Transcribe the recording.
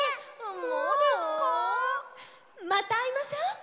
またあいましょう。